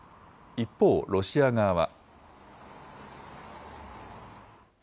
一方、ロシア側は。